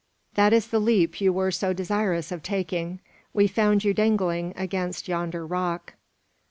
"That is the leap you were so desirous of taking. We found you dangling against yonder rock."